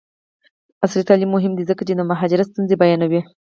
عصري تعلیم مهم دی ځکه چې د مهاجرت ستونزې بیانوي.